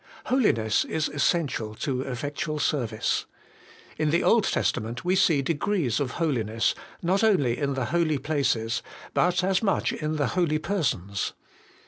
Holiness is essential to effectual service. In the Old Testament we see degrees of holiness, not only in the holy places, but as much in the holy persons.